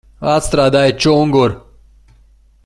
Atstrādājiet čunguru!